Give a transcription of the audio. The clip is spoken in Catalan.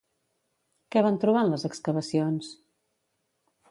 Què van trobar en les excavacions?